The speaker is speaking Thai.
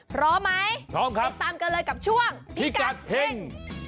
พร้อมไหมพร้อมครับติดตามกันเลยกับช่วงพิกัดเฮ่ง